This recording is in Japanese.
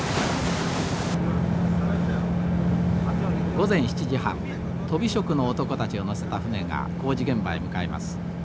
午前７時半とび職の男たちを乗せた船が工事現場へ向かいます。